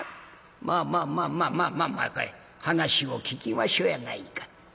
「まあまあまあまあまあまあ話を聞きましょうやないか」。